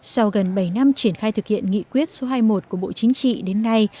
sau gần bảy năm triển khai thực hiện nghị quyết số hai mươi một của bộ chính trị đến nay